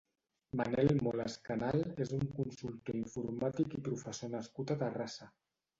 Manel Moles Canal és un consultor informàtic i professor nascut a Terrassa.